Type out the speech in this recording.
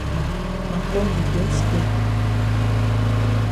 Ma kombi get skin.